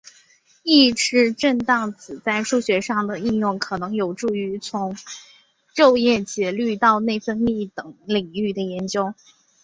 抑制震荡子在数学上的应用可能有助于从昼夜节律到内分泌等领域的研究。